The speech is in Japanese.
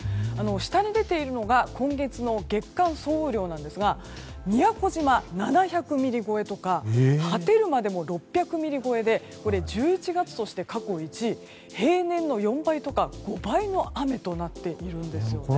下に出ているのが今月の月間総雨量ですが宮古島、７００ミリ超えとか波照間でも６００ミリ超えで１１月として過去１位平年の４倍とか５倍の雨となっているんですね。